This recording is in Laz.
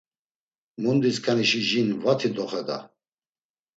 Mundiskanişi jin vati doxeda.